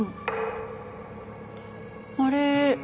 あれ？